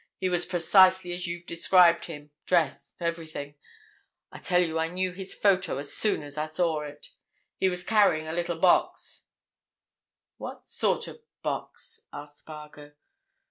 He was precisely as you've described him—dress, everything—I tell you I knew his photo as soon as I saw it. He was carrying a little box—" "What sort of box?" said Spargo.